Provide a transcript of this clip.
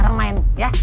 sekarang main ya